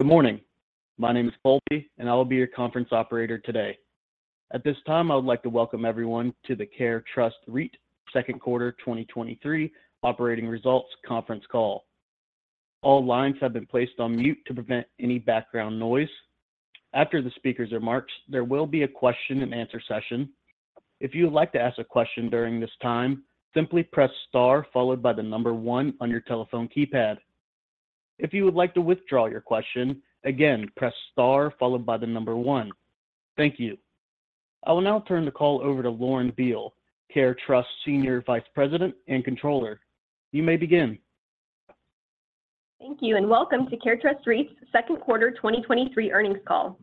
Good morning. My name is Colby, and I will be your conference operator today. At this time, I would like to welcome everyone to the CareTrust REIT Second Quarter 2023 Operating Results Conference Call. All lines have been placed on mute to prevent any background noise. After the speakers' remarks, there will be a question-and-answer session. If you would like to ask a question during this time, simply press star followed by the one on your telephone keypad. If you would like to withdraw your question, again, press star followed by the one. Thank you. I will now turn the call over to Lauren Beale, CareTrust Senior Vice President and Controller. You may begin. Thank you, welcome to CareTrust REIT's second quarter 2023 earnings call.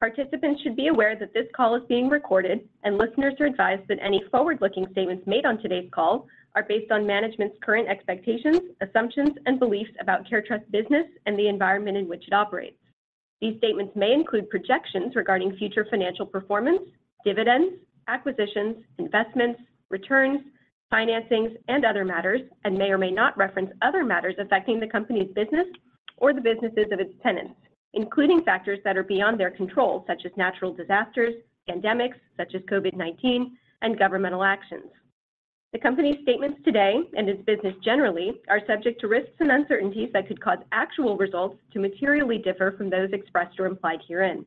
Participants should be aware that this call is being recorded, and listeners are advised that any forward-looking statements made on today's call are based on management's current expectations, assumptions, and beliefs about CareTrust business and the environment in which it operates. These statements may include projections regarding future financial performance, dividends, acquisitions, investments, returns, financings, and other matters, and may or may not reference other matters affecting the company's business or the businesses of its tenants, including factors that are beyond their control, such as natural disasters, pandemics, such as COVID-19, and governmental actions. The company's statements today and its business generally are subject to risks and uncertainties that could cause actual results to materially differ from those expressed or implied herein.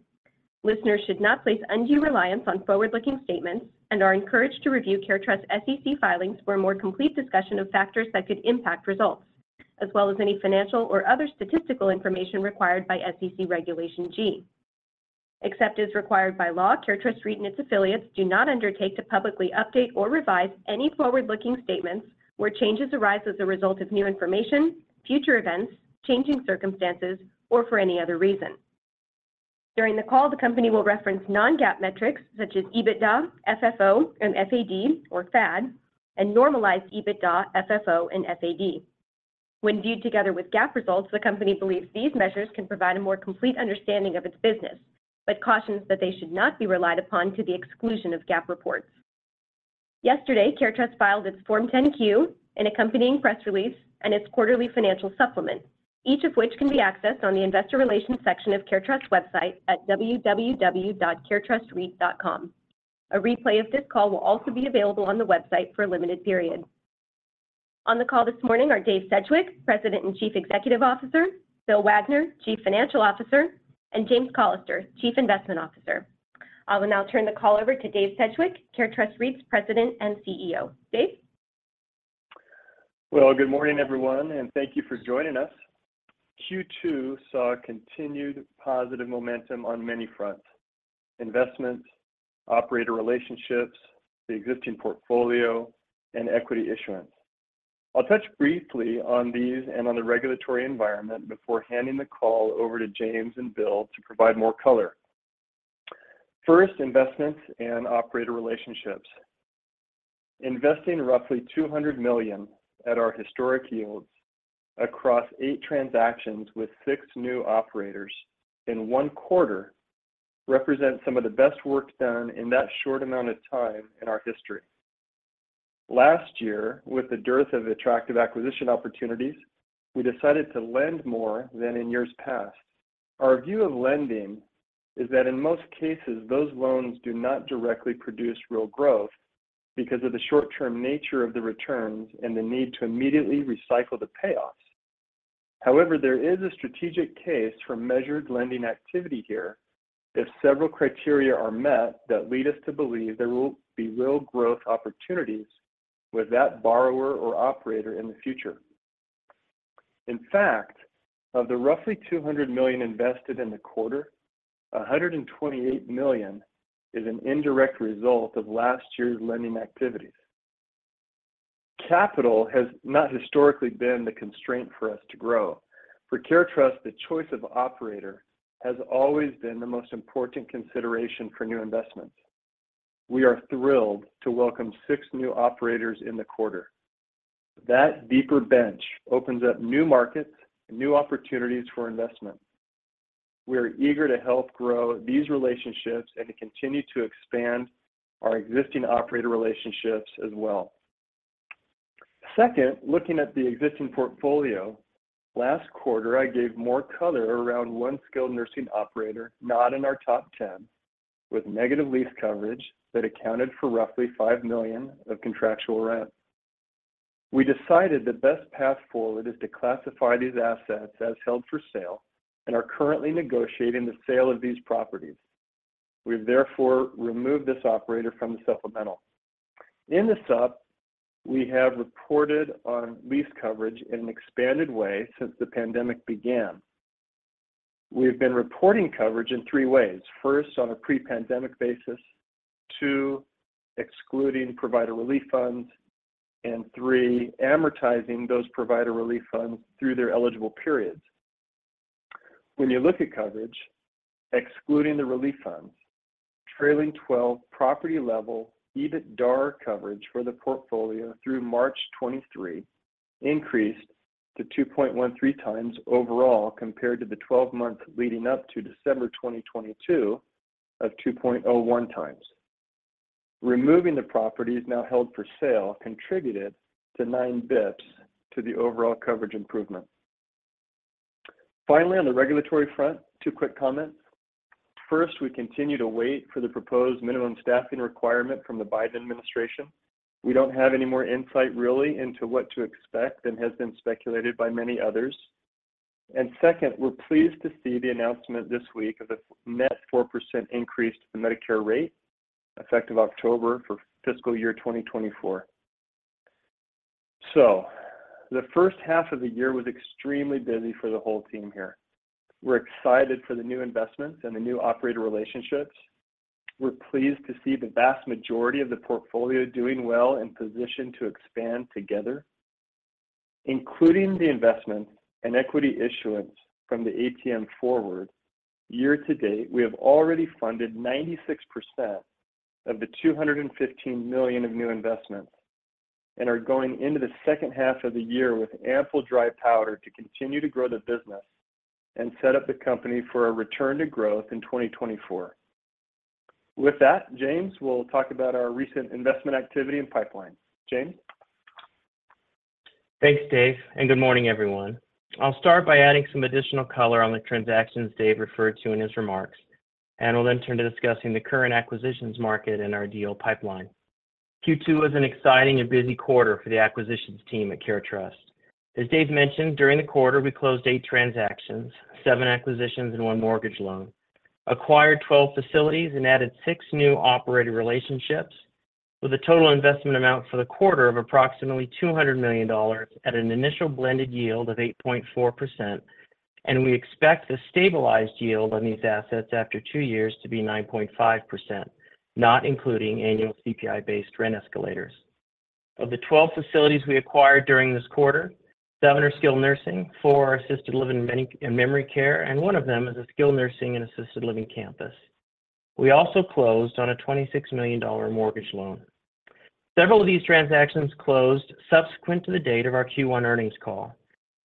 Listeners should not place undue reliance on forward-looking statements and are encouraged to review CareTrust's SEC filings for a more complete discussion of factors that could impact results, as well as any financial or other statistical information required by SEC Regulation G. Except as required by law, CareTrust REIT and its affiliates do not undertake to publicly update or revise any forward-looking statements where changes arise as a result of new information, future events, changing circumstances, or for any other reason. During the call, the company will reference non-GAAP metrics such as EBITDA, FFO, and FAD, or FAD, and normalized EBITDA, FFO, and FAD. When viewed together with GAAP results, the company believes these measures can provide a more complete understanding of its business, but cautions that they should not be relied upon to the exclusion of GAAP reports. Yesterday, CareTrust filed its Form 10-Q and accompanying press release and its quarterly financial supplement, each of which can be accessed on the investor relations section of CareTrust's website at www.caretrustreit.com. A replay of this call will also be available on the website for a limited period. On the call this morning are Dave Sedgwick, President and Chief Executive Officer, Bill Wagner, Chief Financial Officer, and James Callister, Chief Investment Officer. I will now turn the call over to Dave Sedgwick, CareTrust REIT's President and CEO. Dave? Well, good morning, everyone, and thank you for joining us. Q2 saw continued positive momentum on many fronts: investments, operator relationships, the existing portfolio, and equity issuance. I'll touch briefly on these and on the regulatory environment before handing the call over to James and Bill to provide more color. First, investments and operator relationships. Investing roughly $200 million at our historic yields across eight transactions with six new operators in one quarter represents some of the best work done in that short amount of time in our history. Last year, with the dearth of attractive acquisition opportunities, we decided to lend more than in years past. Our view of lending is that in most cases, those loans do not directly produce real growth because of the short-term nature of the returns and the need to immediately recycle the payoffs. However, there is a strategic case for measured lending activity here if several criteria are met that lead us to believe there will be real growth opportunities with that borrower or operator in the future. In fact, of the roughly $200 million invested in the quarter, $128 million is an indirect result of last year's lending activities. Capital has not historically been the constraint for us to grow. For CareTrust, the choice of operator has always been the most important consideration for new investments. We are thrilled to welcome six new operators in the quarter. That deeper bench opens up new markets and new opportunities for investment. We are eager to help grow these relationships and to continue to expand our existing operator relationships as well. Second, looking at the existing portfolio, last quarter, I gave more color around one skilled nursing operator, not in our top 10, with negative lease coverage that accounted for roughly $5 million of contractual rent. We decided the best path forward is to classify these assets as held for sale and are currently negotiating the sale of these properties. We've therefore removed this operator from the supplemental. In the sup, we have reported on lease coverage in an expanded way since the pandemic began. We've been reporting coverage in three ways: First, on a pre-pandemic basis; two, excluding Provider Relief Funds; and three, amortizing those Provider Relief Funds through their eligible periods. When you look at coverage, excluding the relief funds, trailing 12 property-level EBITDA coverage for the portfolio through March 2023 increased to 2.13x overall, compared to the 12 months leading up to December 2022 of 2.01x. Removing the properties now held for sale contributed 9 basis points to the overall coverage improvement. Finally, on the regulatory front, two quick comments. First, we continue to wait for the proposed minimum staffing requirement from the Biden administration. We don't have any more insight really into what to expect than has been speculated by many others. Second, we're pleased to see the announcement this week of a net 4% increase to the Medicare rate, effective October for fiscal year 2024. The first half of the year was extremely busy for the whole team here. We're excited for the new investments and the new operator relationships. We're pleased to see the vast majority of the portfolio doing well and positioned to expand together, including the investment and equity issuance from the ATM forward. Year to date, we have already funded 96% of the $215 million of new investments, and are going into the second half of the year with ample dry powder to continue to grow the business and set up the company for a return to growth in 2024. With that, James will talk about our recent investment activity and pipeline. James? Thanks, Dave, good morning, everyone. I'll start by adding some additional color on the transactions Dave referred to in his remarks, and I'll then turn to discussing the current acquisitions market and our deal pipeline. Q2 was an exciting and busy quarter for the acquisitions team at CareTrust. As Dave mentioned, during the quarter, we closed eight transactions, seven acquisitions, and one mortgage loan, acquired 12 facilities and added six new operator relationships, with a total investment amount for the quarter of approximately $200 million at an initial blended yield of 8.4%, and we expect the stabilized yield on these assets after two years to be 9.5%, not including annual CPI-based rent escalators. Of the 12 facilities we acquired during this quarter, seven are skilled nursing, four are assisted living and memory care, and one of them is a skilled nursing and assisted living campus. We also closed on a $26 million mortgage loan. Several of these transactions closed subsequent to the date of our Q1 earnings call.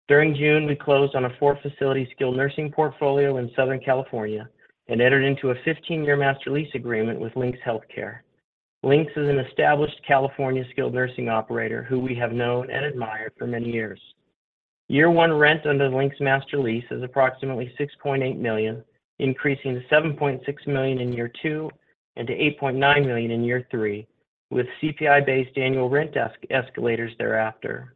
During June, we closed on a four-facility skilled nursing portfolio in Southern California and entered into a 15-year master lease agreement with Lynx Healthcare. Lynx is an established California skilled nursing operator, who we have known and admired for many years. Year one rent under the Lynx master lease is approximately $6.8 million, increasing to $7.6 million in year two and to $8.9 million in year three, with CPI-based annual rent escalators thereafter.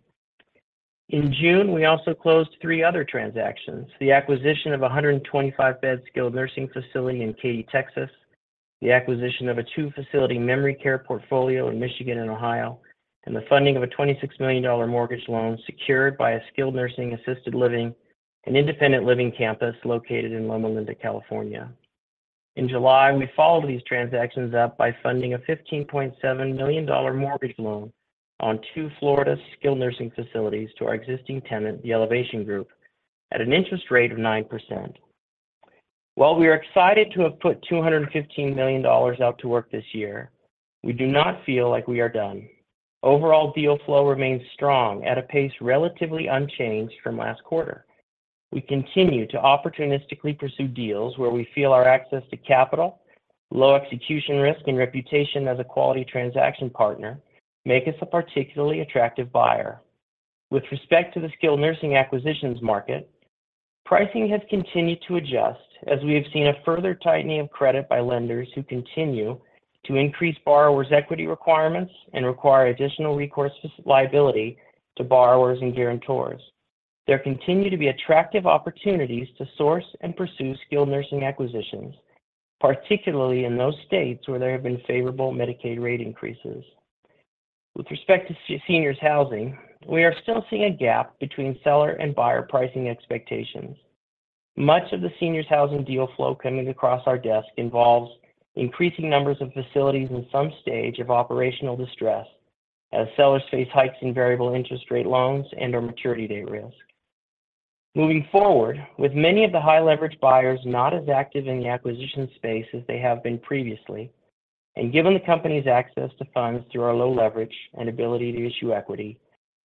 In June, we also closed three other transactions: the acquisition of a 125-bed skilled nursing facility in Katy, Texas, the acquisition of a two-facility memory care portfolio in Michigan and Ohio, and the funding of a $26 million mortgage loan secured by a skilled nursing, assisted living, and independent living campus located in Loma Linda, California. In July, we followed these transactions up by funding a $15.7 million mortgage loan on two Florida skilled nursing facilities to our existing tenant, The Elevation Group, at an interest rate of 9%. While we are excited to have put $215 million out to work this year, we do not feel like we are done. Overall, deal flow remains strong at a pace relatively unchanged from last quarter. We continue to opportunistically pursue deals where we feel our access to capital, low execution risk, and reputation as a quality transaction partner make us a particularly attractive buyer. With respect to the skilled nursing acquisitions market, pricing has continued to adjust as we have seen a further tightening of credit by lenders who continue to increase borrowers' equity requirements and require additional recourse liability to borrowers and guarantors. There continue to be attractive opportunities to source and pursue skilled nursing acquisitions, particularly in those states where there have been favorable Medicaid rate increases. With respect to seniors housing, we are still seeing a gap between seller and buyer pricing expectations. Much of the seniors housing deal flow coming across our desk involves increasing numbers of facilities in some stage of operational distress as sellers face hikes in variable interest rate loans and/or maturity date risk. Moving forward, with many of the high-leverage buyers not as active in the acquisition space as they have been previously, and given the company's access to funds through our low leverage and ability to issue equity,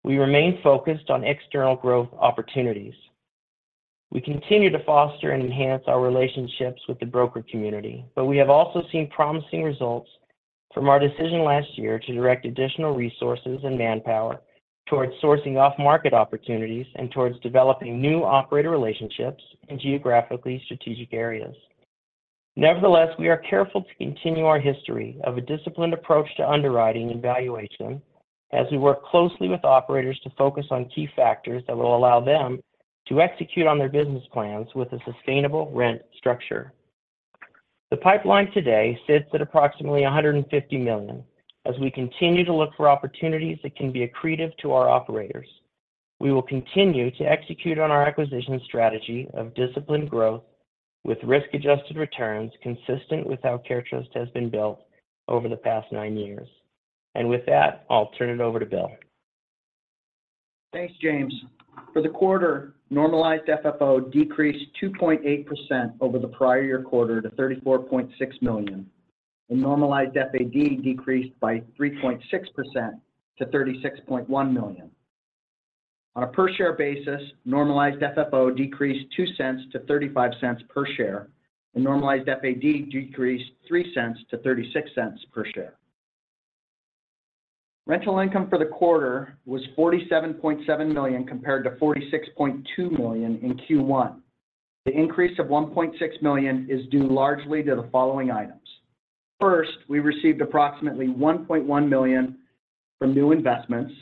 we remain focused on external growth opportunities. We continue to foster and enhance our relationships with the broker community, but we have also seen promising results from our decision last year to direct additional resources and manpower towards sourcing off-market opportunities and towards developing new operator relationships in geographically strategic areas. Nevertheless, we are careful to continue our history of a disciplined approach to underwriting and valuation as we work closely with operators to focus on key factors that will allow them to execute on their business plans with a sustainable rent structure. The pipeline today sits at approximately $150 million. As we continue to look for opportunities that can be accretive to our operators, we will continue to execute on our acquisition strategy of disciplined growth with risk-adjusted returns, consistent with how CareTrust has been built over the past nine years. With that, I'll turn it over to Bill. Thanks, James. For the quarter, normalized FFO decreased 2.8% over the prior year quarter to $34.6 million, and normalized FAD decreased by 3.6% to $36.1 million. On a per share basis, normalized FFO decreased $0.02 to $0.35 per share, and normalized FAD decreased $0.03 to $0.36 per share. Rental income for the quarter was $47.7 million, compared to $46.2 million in Q1. The increase of $1.6 million is due largely to the following items. First, we received approximately $1.1 million from new investments.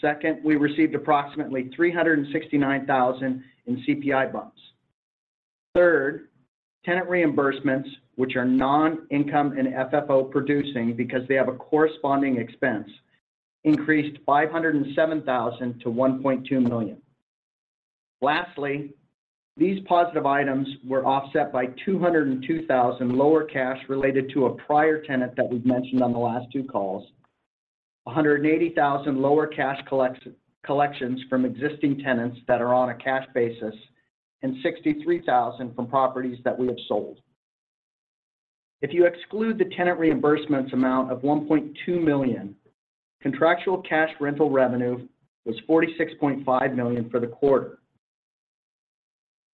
Second, we received approximately $369,000 in CPI bumps. Third, tenant reimbursements, which are non-income and FFO producing because they have a corresponding expense, increased $507,000 to $1.2 million. Lastly, these positive items were offset by $202,000 lower cash related to a prior tenant that we've mentioned on the last two calls, $180,000 lower cash collections from existing tenants that are on a cash basis, and $63,000 from properties that we have sold. If you exclude the tenant reimbursements amount of $1.2 million, contractual cash rental revenue was $46.5 million for the quarter.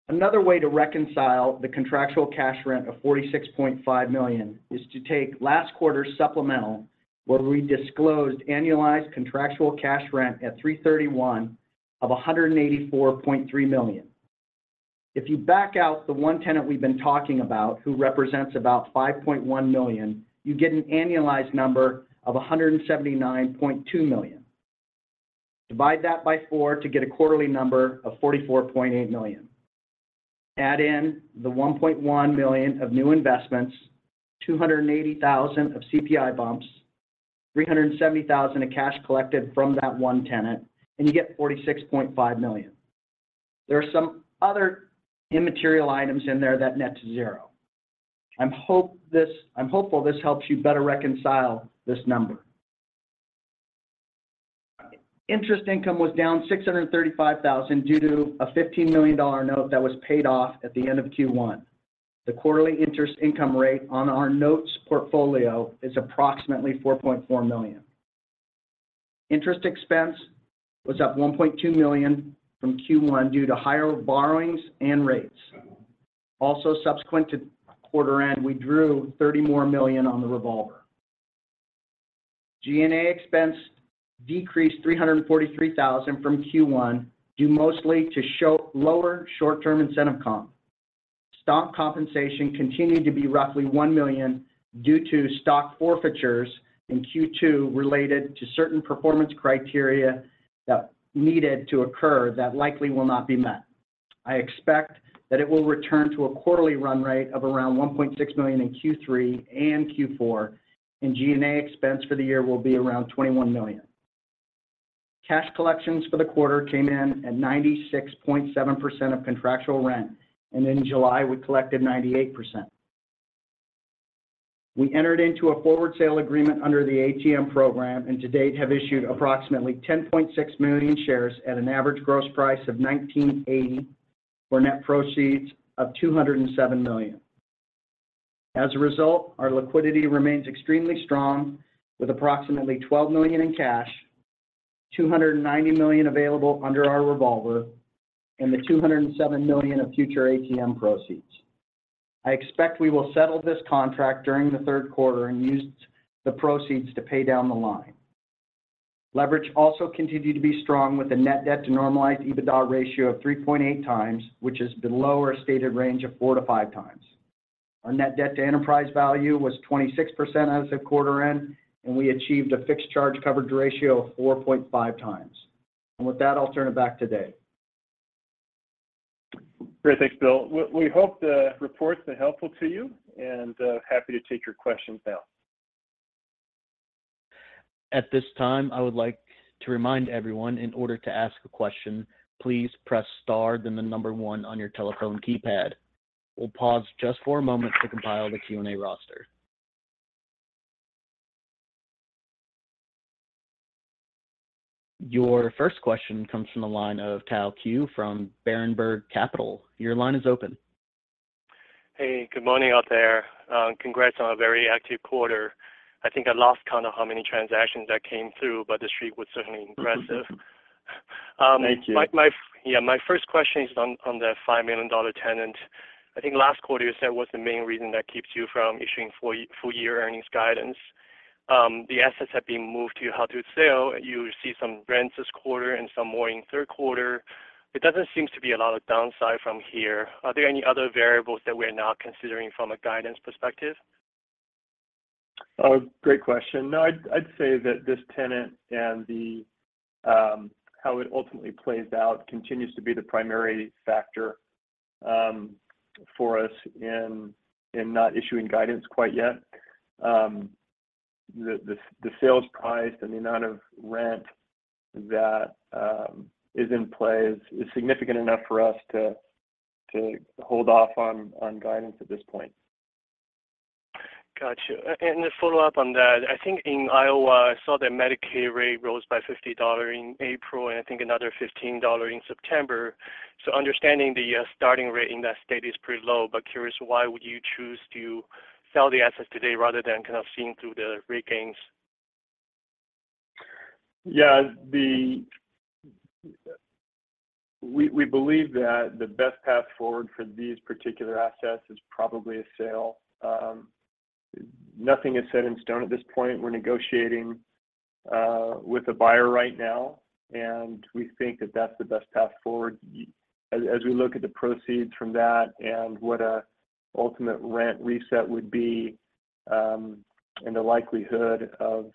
Another way to reconcile the contractual cash rent of $46.5 million is to take last quarter's supplemental, where we disclosed annualized contractual cash rent at 3/31 of $184.3 million. If you back out the 1 tenant we've been talking about, who represents about $5.1 million, you get an annualized number of $179.2 million. Divide that by four to get a quarterly number of $44.8 million. Add in the $1.1 million of new investments, $280,000 of CPI bumps, $370,000 of cash collected from that one tenant, and you get $46.5 million. There are some other immaterial items in there that net to zero. I'm hopeful this helps you better reconcile this number. Interest income was down $635,000 due to a $15 million dollar note that was paid off at the end of Q1. The quarterly interest income rate on our notes portfolio is approximately $4.4 million. Interest expense was up $1.2 million from Q1 due to higher borrowings and rates. Subsequent to quarter end, we drew $30 more million on the revolver. G&A expense decreased $343,000 from Q1, due mostly to show lower short-term incentive comp. Stock compensation continued to be roughly $1 million due to stock forfeitures in Q2 related to certain performance criteria that needed to occur that likely will not be met. I expect that it will return to a quarterly run rate of around $1.6 million in Q3 and Q4, and G&A expense for the year will be around $21 million. Cash collections for the quarter came in at 96.7% of contractual rent, in July, we collected 98%. We entered into a forward sale agreement under the ATM program, to date have issued approximately 10.6 million shares at an average gross price of $19.80, for net proceeds of $207 million. As a result, our liquidity remains extremely strong, with approximately $12 million in cash, $290 million available under our revolver, and the $207 million of future ATM proceeds. I expect we will settle this contract during the third quarter and use the proceeds to pay down the line. Leverage also continued to be strong, with a net debt to normalized EBITDA ratio of 3.8x, which is below our stated range of 4x-5x. Our net debt to enterprise value was 26% as of quarter end, and I achieved a fixed charge coverage ratio of 4.5x. With that, I'll turn it back to Dave. Great. Thanks, Bill. We, we hope the reports are helpful to you, and happy to take your questions now. At this time, I would like to remind everyone, in order to ask a question, please press star, then 1 on your telephone keypad. We'll pause just for a moment to compile the Q&A roster. Your first question comes from the line of Tao Qiu from Berenberg Capital. Your line is open. Hey, good morning out there. Congrats on a very active quarter. I think I lost count of how many transactions that came through, the street was certainly impressive. Thank you. My first question is on the $5 million tenant. I think last quarter you said was the main reason that keeps you from issuing full year earnings guidance. The assets have been moved to held for sale. You see some rents this quarter and some more in the third quarter. It doesn't seem to be a lot of downside from here. Are there any other variables that we're not considering from a guidance perspective? Great question. No, I'd, I'd say that this tenant and the how it ultimately plays out continues to be the primary factor for us in, in not issuing guidance quite yet. The, the, the sales price and the amount of rent that is in play is, is significant enough for us to, to hold off on, on guidance at this point. Got you. To follow up on that, I think in Iowa, I saw the Medicaid rate rose by $50 in April, and I think another $15 in September. Understanding the starting rate in that state is pretty low, but curious, why would you choose to sell the assets today rather than kind of seeing through the rate gains? Yeah, the-... We, we believe that the best path forward for these particular assets is probably a sale. Nothing is set in stone at this point. We're negotiating with the buyer right now, we think that that's the best path forward. Y- as, as we look at the proceeds from that and what a ultimate rent reset would be, the likelihood of,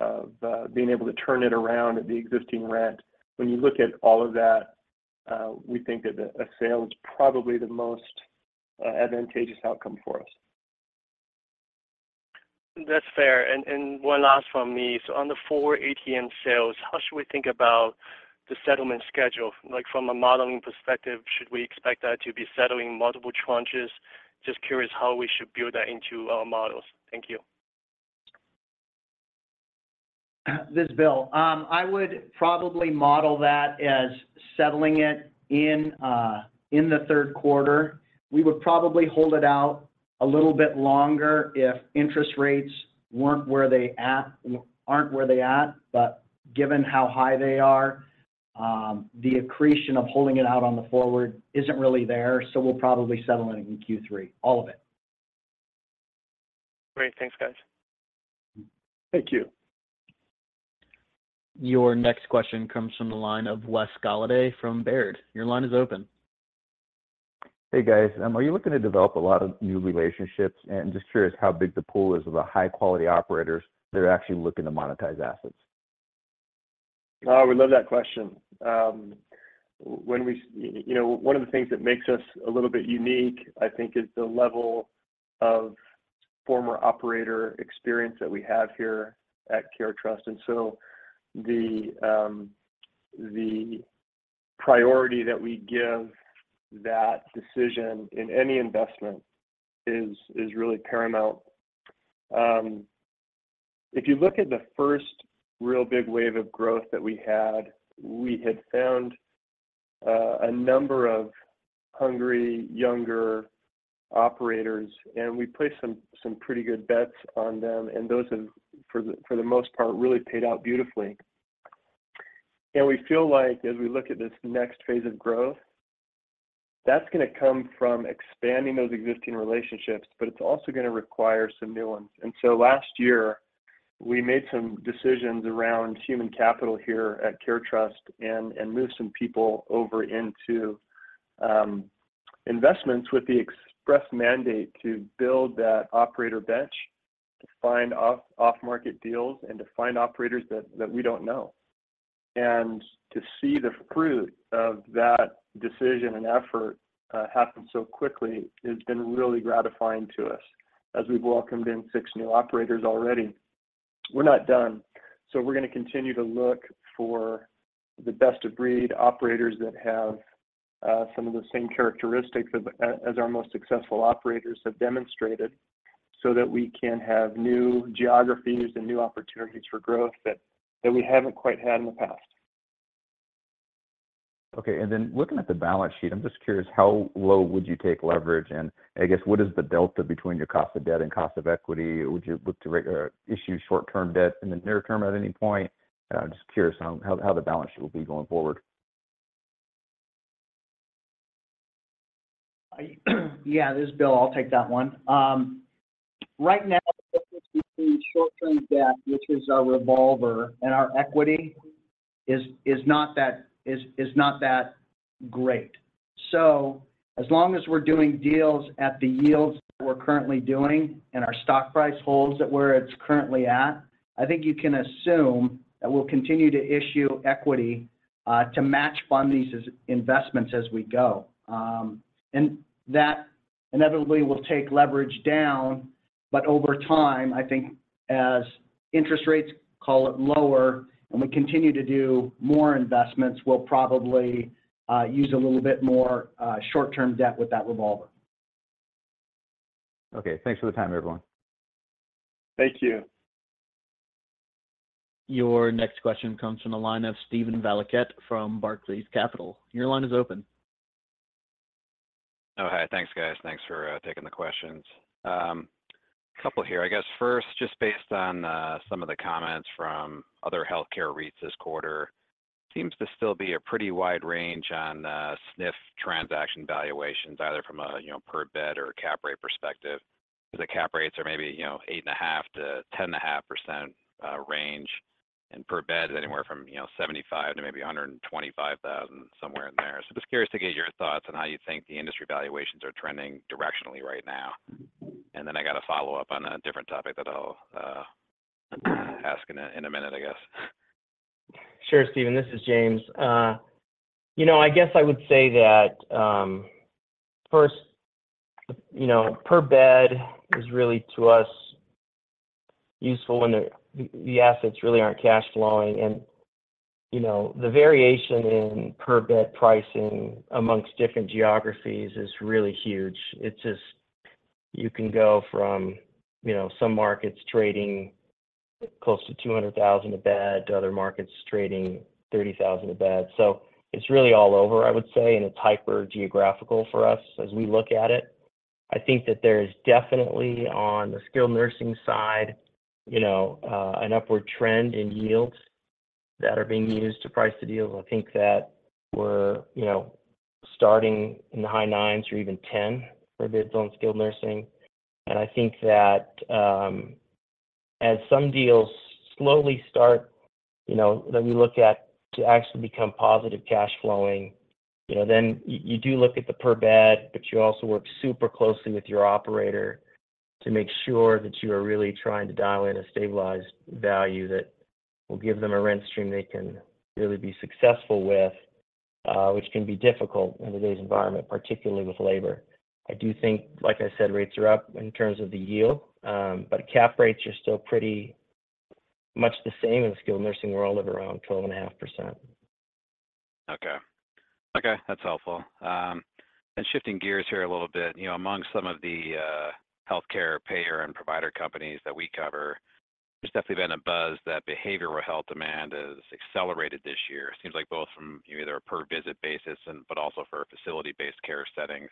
of being able to turn it around at the existing rent. When you look at all of that, we think that a, a sale is probably the most advantageous outcome for us. That's fair. One last from me. On the 4 ATM sales, how should we think about the settlement schedule? Like, from a modeling perspective, should we expect that to be settling multiple tranches? Just curious how we should build that into our models. Thank you. This is Bill. I would probably model that as settling it in in the third quarter. We would probably hold it out a little bit longer if interest rates aren't where they at. Given how high they are, the accretion of holding it out on the forward isn't really there, so we'll probably settle it in Q3, all of it. Great. Thanks, guys. Thank you. Your next question comes from the line of Wes Golladay from Baird. Your line is open. Hey, guys. Are you looking to develop a lot of new relationships? Just curious how big the pool is of the high-quality operators that are actually looking to monetize assets? Oh, we love that question. You know, one of the things that makes us a little bit unique, I think, is the level of former operator experience that we have here at CareTrust. The priority that we give that decision in any investment is, is really paramount. If you look at the first real big wave of growth that we had, we had found a number of hungry, younger operators, and we placed some, some pretty good bets on them, and those have, for the, for the most part, really paid out beautifully. We feel like as we look at this next phase of growth, that's gonna come from expanding those existing relationships, but it's also gonna require some new ones. So last year, we made some decisions around human capital here at CareTrust and, and moved some people over into investments with the express mandate to build that operator bench, to find off, off-market deals, and to find operators that, that we don't know. To see the fruit of that decision and effort happen so quickly has been really gratifying to us, as we've welcomed in six new operators already. We're not done, so we're gonna continue to look for the best-of-breed operators that have some of the same characteristics as as our most successful operators have demonstrated, so that we can have new geographies and new opportunities for growth that, that we haven't quite had in the past. Okay. Then looking at the balance sheet, I'm just curious, how low would you take leverage? I guess, what is the delta between your cost of debt and cost of equity? Would you look to reissue short-term debt in the near term at any point? I'm just curious on how the balance sheet will be going forward. I- yeah, this is Bill. I'll take that one. Right now, between short-term debt, which is our revolver and our equity, is, is not that is, is not that great. As long as we're doing deals at the yields that we're currently doing and our stock price holds at where it's currently at, I think you can assume that we'll continue to issue equity to match fund these as investments as we go. That inevitably will take leverage down, but over time, I think as interest rates call it lower and we continue to do more investments, we'll probably use a little bit more short-term debt with that revolver. Okay, thanks for the time, everyone. Thank you. Your next question comes from the line of Steven Valiquette from Barclays Capital. Your line is open. Oh, hi. Thanks, guys. Thanks for taking the questions. A couple here. I guess first, just based on some of the comments from other healthcare REITs this quarter, seems to still be a pretty wide range on SNF transaction valuations, either from a, you know, per bed or cap rate perspective. The cap rates are maybe, you know, 8.5%-10.5% range, and per bed is anywhere from, you know, $75,000-$125,000, somewhere in there. Just curious to get your thoughts on how you think the industry valuations are trending directionally right now. I got a follow-up on a different topic that I'll ask in a minute, I guess. Sure, Steven. This is James. you know, I guess I would say that, first, you know, per bed is really, to us, useful when the, the assets really aren't cash flowing. You know, the variation in per bed pricing amongst different geographies is really huge. It's just. You can go from, you know, some markets trading close to $200,000 a bed to other markets trading $30,000 a bed. It's really all over, I would say, and it's hyper geographical for us as we look at it. I think that there's definitely on the skilled nursing side, you know, an upward trend in yields that are being used to price the deals. I think that we're, you know, starting in the high 9s or even 10 for bids on skilled nursing. I think that, as some deals slowly start, you know, that we look at to actually become positive cash flowing, you know, then you do look at the per bed, but you also work super closely with your operator to make sure that you are really trying to dial in a stabilized value that will give them a rent stream they can really be successful with, which can be difficult in today's environment, particularly with labor. I do think, like I said, rates are up in terms of the yield, but cap rates are still pretty much the same in the skilled nursing world of around 12.5%. Okay. Okay, that's helpful. Shifting gears here a little bit, you know, among some of the healthcare payer and provider companies that we cover, there's definitely been a buzz that behavioral health demand has accelerated this year. It seems like both from either a per visit basis but also for facility-based care settings.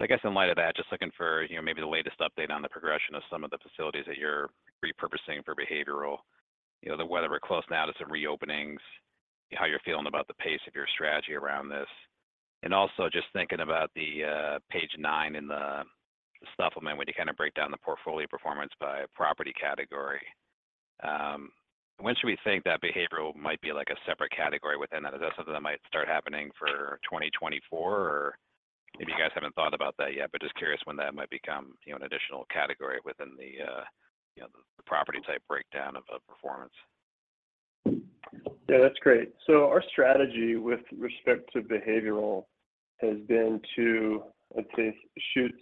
I guess in light of that, just looking for, you know, maybe the latest update on the progression of some of the facilities that you're repurposing for behavioral. You know, whether we're close now to some reopenings, how you're feeling about the pace of your strategy around this. Also just thinking about the page 9 in the supplement, where you kind of break down the portfolio performance by property category. When should we think that behavioral might be like a separate category within that? Is that something that might start happening for 2024? Or maybe you guys haven't thought about that yet, but just curious when that might become, you know, an additional category within the, you know, the property type breakdown of, of performance. Yeah, that's great. Our strategy with respect to behavioral has been to, let's say, shoot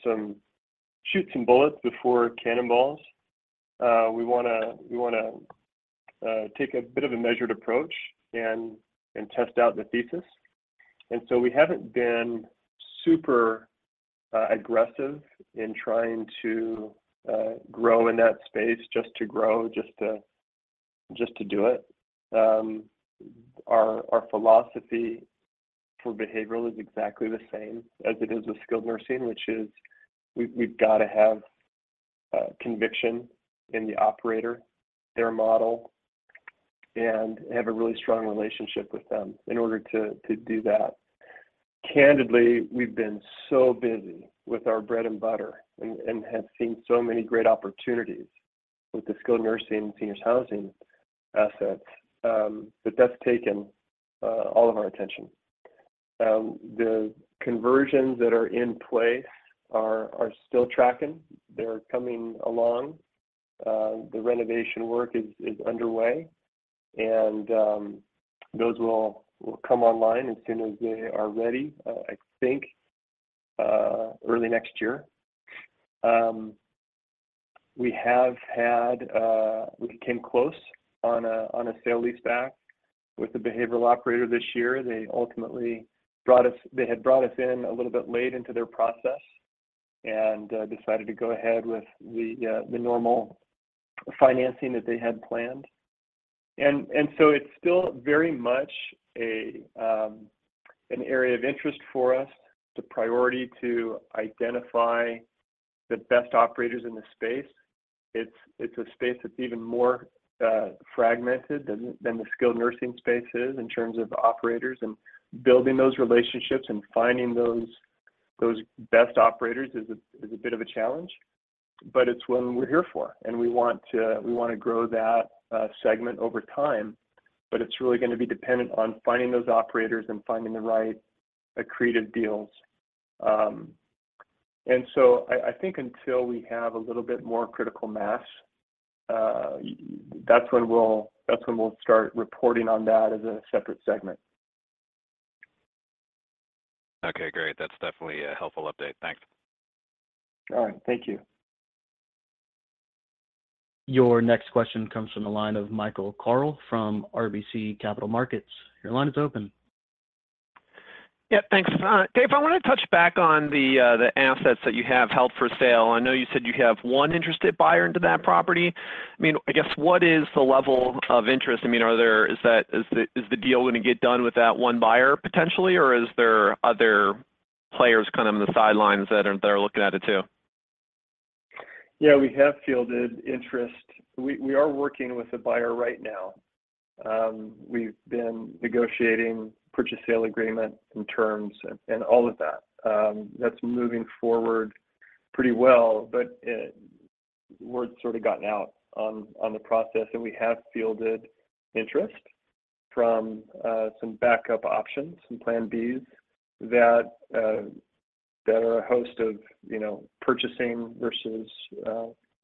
some, shoot some bullets before cannonballs. We wanna, we wanna take a bit of a measured approach and, and test out the thesis. We haven't been super aggressive in trying to grow in that space just to grow, just to, just to do it. Our, our philosophy for behavioral is exactly the same as it is with skilled nursing, which is we've, we've got to have conviction in the operator, their model, and have a really strong relationship with them in order to, to do that. Candidly, we've been so busy with our bread and butter and, and have seen so many great opportunities with the skilled nursing, seniors housing assets, that that's taken all of our attention. The conversions that are in play are, are still tracking. They're coming along. The renovation work is, is underway, and those will, will come online as soon as they are ready, I think, early next year. We have had-- we came close on a, on a sale-leaseback with the behavioral operator this year. They ultimately brought us... They had brought us in a little bit late into their process and decided to go ahead with the normal financing that they had planned. It's still very much a, an area of interest for us, the priority to identify the best operators in the space. It's, it's a space that's even more fragmented than, than the skilled nursing space is in terms of operators. Building those relationships and finding those best operators is a bit of a challenge, but it's one we're here for, and we want to grow that segment over time, but it's really gonna be dependent on finding those operators and finding the right accretive deals. I think until we have a little bit more critical mass, that's when we'll start reporting on that as a separate segment. Okay, great. That's definitely a helpful update. Thanks. All right. Thank you. Your next question comes from the line of Michael Carroll from RBC Capital Markets. Your line is open. Yep, thanks. Dave, I want to touch back on the, the assets that you have held for sale. I know you said you have 1 interested buyer into that property. I mean, I guess what is the level of interest? I mean, is the deal gonna get done with that 1 buyer potentially, or is there other players kind of on the sidelines that are, that are looking at it too? Yeah, we have fielded interest. We, we are working with a buyer right now. We've been negotiating purchase, sale agreement and terms and, and all of that. That's moving forward pretty well, but word's sort of gotten out on, on the process, and we have fielded interest from some backup options, some plan B's, that that are a host of, you know, purchasing versus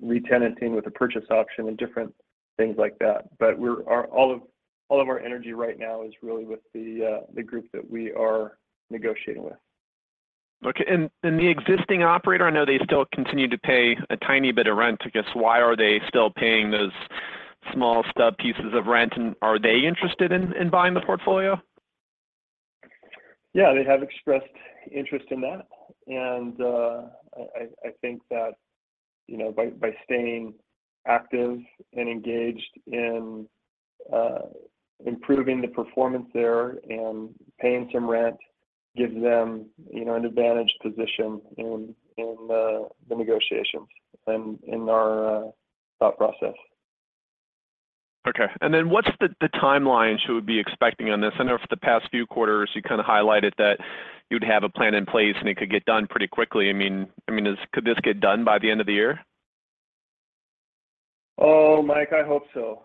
retenanting with a purchase option and different things like that. Our, all of, all of our energy right now is really with the group that we are negotiating with. Okay. The existing operator, I know they still continue to pay a tiny bit of rent. I guess, why are they still paying those small stub pieces of rent, and are they interested in, in buying the portfolio? Yeah, they have expressed interest in that, and, I think that you know, by, by staying active and engaged in improving the performance there and paying some rent, gives them, you know, an advantaged position in, in the negotiations and in our thought process. Okay. What's the, the timeline should we be expecting on this? I know for the past few quarters, you kind of highlighted that you'd have a plan in place, and it could get done pretty quickly. I mean, could this get done by the end of the year? Oh, Mike, I hope so.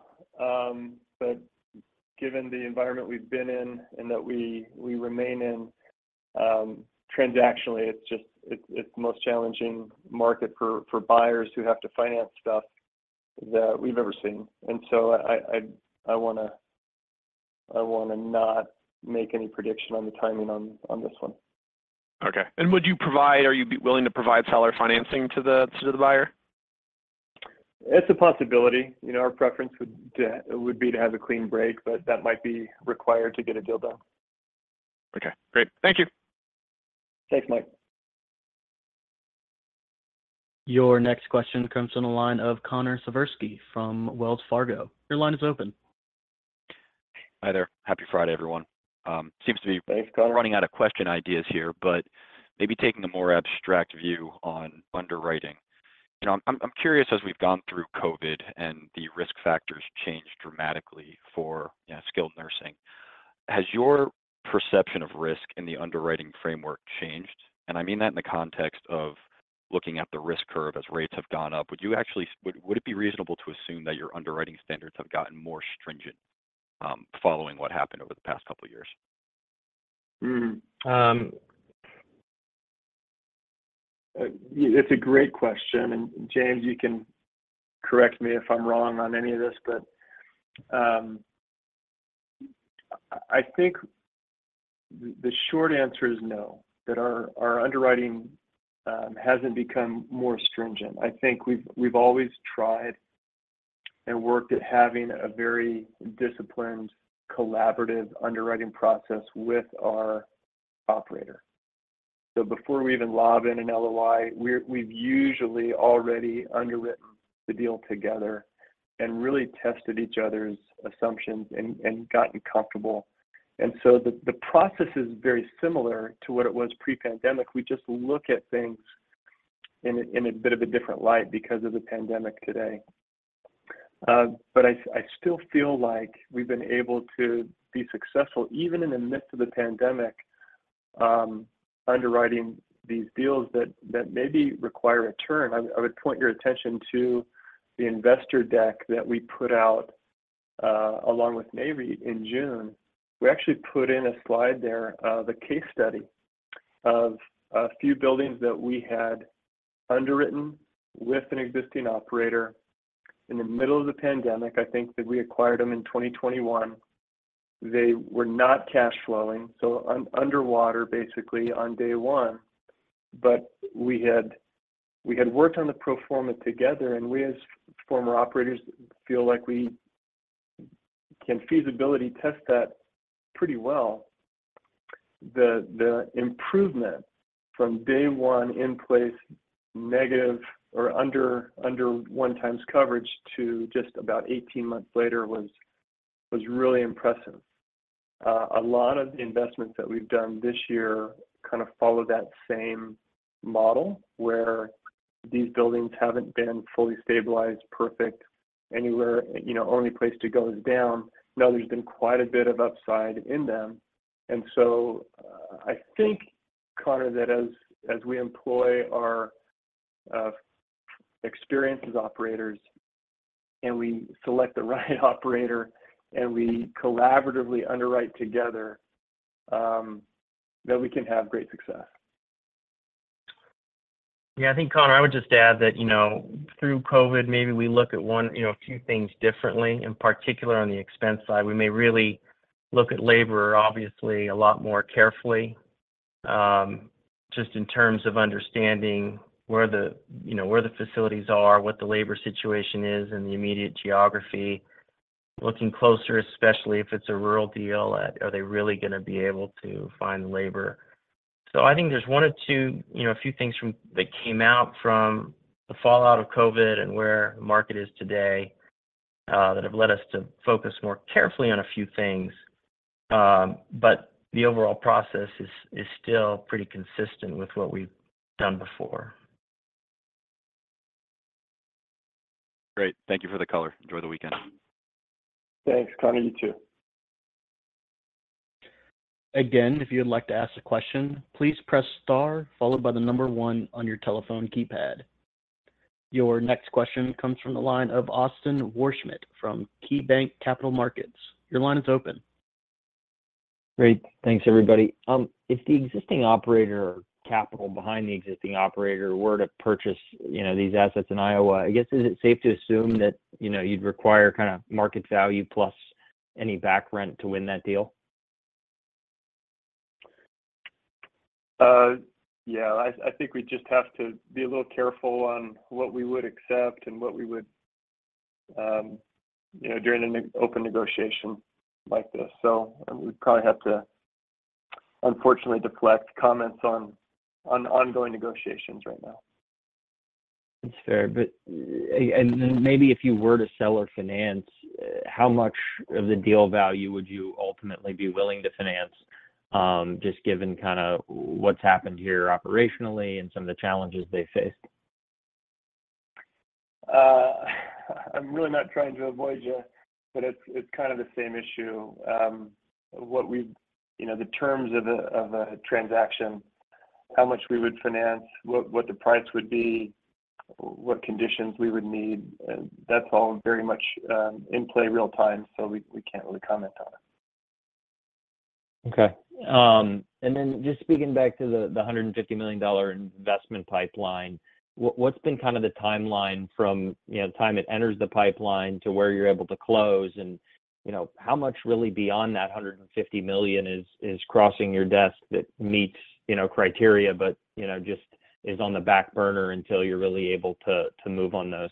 Given the environment we've been in and that we, we remain in, transactionally, it's just, it, it's the most challenging market for, for buyers who have to finance stuff that we've ever seen. I wanna, I wanna not make any prediction on the timing on, on this one. Okay. Are you willing to provide seller financing to the buyer? It's a possibility. You know, our preference would be to have a clean break, but that might be required to get a deal done. Okay, great. Thank you. Thanks, Mike. Your next question comes from the line of Connor Siversky from Wells Fargo. Your line is open. Hi there. Happy Friday, everyone. Thanks, Connor. running out of question ideas here, but maybe taking a more abstract view on underwriting. You know, I'm, I'm curious, as we've gone through COVID, and the risk factors changed dramatically for, you know, skilled nursing, has your perception of risk in the underwriting framework changed? I mean that in the context of looking at the risk curve as rates have gone up. Would you actually, would it be reasonable to assume that your underwriting standards have gotten more stringent, following what happened over the past couple of years? It's a great question, and James, you can correct me if I'm wrong on any of this, but I think the short answer is no, that our underwriting hasn't become more stringent. I think we've always tried and worked at having a very disciplined, collaborative underwriting process with our operator. Before we even lob in an LOI, we've usually already underwritten the deal together and really tested each other's assumptions and gotten comfortable. The process is very similar to what it was pre-pandemic. We just look at things in a bit of a different light because of the pandemic today. I still feel like we've been able to be successful, even in the midst of the pandemic, underwriting these deals that maybe require a turn. I would point your attention to the investor deck that we put out, along with Nareit in June. We actually put in a slide there of a case study of a few buildings that we had underwritten with an existing operator. In the middle of the pandemic, I think that we acquired them in 2021. They were not cash flowing, so underwater, basically, on day one. We had worked on the pro forma together, and we, as former operators, feel like we can feasibility test that pretty well. The improvement from day one in place, negative or under one times coverage to just about 18 months later was really impressive. A lot of the investments that we've done this year kind of follow that same model, where these buildings haven't been fully stabilized, perfect, anywhere, you know, only place to go is down. No, there's been quite a bit of upside in them. I think, Connor, that as, as we employ our experienced operators and we select the right operator, and we collaboratively underwrite together, that we can have great success. Yeah, I think, Connor, I would just add that, you know, through COVID, maybe we look at one, you know, a few things differently, in particular on the expense side. We may really look at labor, obviously, a lot more carefully, just in terms of understanding where the, you know, where the facilities are, what the labor situation is, and the immediate geography. Looking closer, especially if it's a rural deal, are they really gonna be able to find labor? I think there's one or two, you know, a few things that came out from the fallout of COVID and where the market is today, that have led us to focus more carefully on a few things. The overall process is, is still pretty consistent with what we've done before. Great. Thank you for the color. Enjoy the weekend. Thanks, Connor. You too. Again, if you would like to ask a question, please press star followed by the number one on your telephone keypad. Your next question comes from the line of Austin Wurschmidt from KeyBanc Capital Markets. Your line is open. Great. Thanks, everybody. If the existing operator or capital behind the existing operator were to purchase, you know, these assets in Iowa, I guess, is it safe to assume that, you know, you'd require kind of market value plus any back rent to win that deal? Yeah, I, I think we just have to be a little careful on what we would accept and what we would, you know, during an open negotiation like this. We'd probably have to unfortunately, deflect comments on ongoing negotiations right now. That's fair. Maybe if you were to sell or finance, how much of the deal value would you ultimately be willing to finance, just given kind of what's happened here operationally and some of the challenges they faced? I'm really not trying to avoid you, but it's, it's kind of the same issue. You know, the terms of a, of a transaction, how much we would finance, what, what the price would be, what conditions we would need, that's all very much in play real time, so we, we can't really comment on it. Okay. Then just speaking back to the, the $150 million investment pipeline, what, what's been kind of the timeline from, you know, the time it enters the pipeline to where you're able to close? You know, how much really beyond that $150 million is, is crossing your desk that meets, you know, criteria, but, you know, just is on the back burner until you're really able to, to move on those?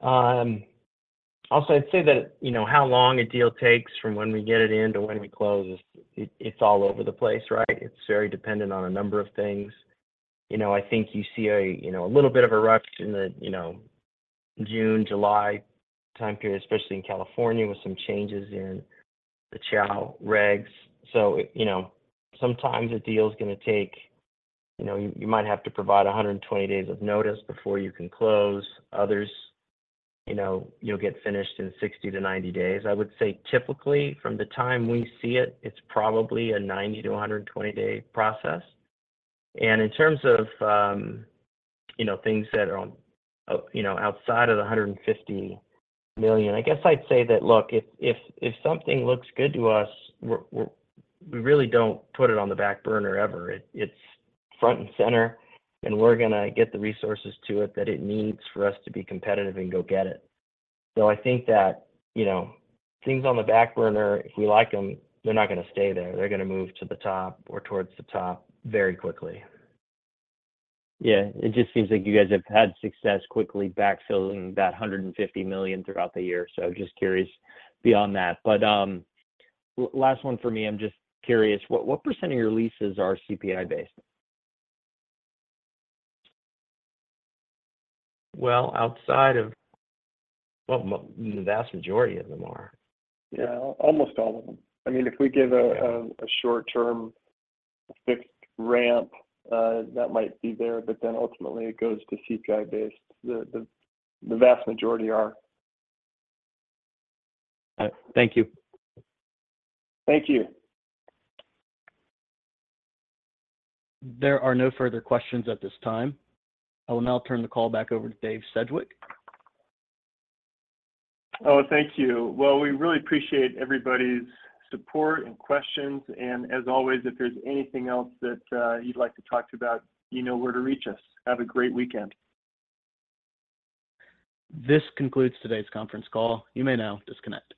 Also, I'd say that, you know, how long a deal takes from when we get it in to when we close, it, it's all over the place, right? It's very dependent on a number of things. You know, I think you see a, you know, a little bit of a rush in the, you know, June, July time period, especially in California, with some changes in the CHOW regs. You know, sometimes a deal's gonna take... You know, you might have to provide 120 days of notice before you can close. Others, you know, you'll get finished in 60 days-90 days. I would say typically, from the time we see it, it's probably a 90 days-120 day process. In terms of, you know, things that are on, you know, outside of the $150 million, I guess I'd say that, look, if, if, if something looks good to us, we really don't put it on the back burner ever. It, it's front and center, and we're gonna get the resources to it that it needs for us to be competitive and go get it. I think that, you know, things on the back burner, if we like them, they're not gonna stay there. They're gonna move to the top or towards the top very quickly. Yeah. It just seems like you guys have had success quickly backfilling that $150 million throughout the year. Just curious beyond that. Last one for me, I'm just curious, what, what percent of your leases are CPI based? Well, outside of... Well, the vast majority of them are. Yeah, almost all of them. I mean, if we give a, a short-term fixed ramp, that might be there, but then ultimately it goes to CPI-based. The, the, the vast majority are. All right. Thank you. Thank you. There are no further questions at this time. I will now turn the call back over to Dave Sedgwick. Oh, thank you. Well, we really appreciate everybody's support and questions. As always, if there's anything else that, you'd like to talk to about, you know where to reach us. Have a great weekend. This concludes today's conference call. You may now disconnect.